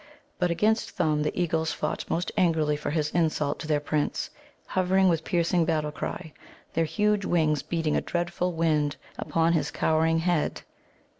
But against Thumb the eagles fought most angrily for his insult to their Prince, hovering with piercing battle cry, their huge wings beating a dreadful wind upon his cowering head.